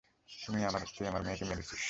তুই আমার মেয়েকে মেরেছিস।